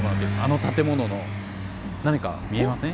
あの建物の何か見えません？